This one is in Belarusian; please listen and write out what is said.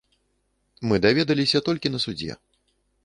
Мы даведаліся толькі на судзе.